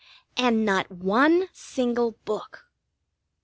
And not one single book.